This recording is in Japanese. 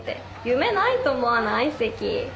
夢ないと思わない関？